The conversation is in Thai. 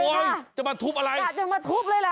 โอ๊ยจะมาทุบอะไร